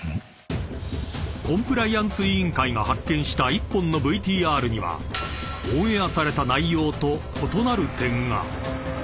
［コンプライアンス委員会が発見した１本のＶＴＲにはオンエアされた内容と異なる点が］